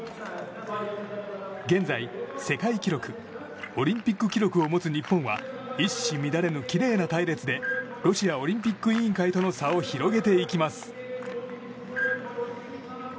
現在、世界記録オリンピック記録を持つ日本は一糸乱れぬ、きれいな隊列でロシアオリンピック委員会との差を広げていきます。